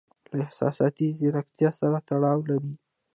له احساساتي زیرکتیا سره تړاو لري.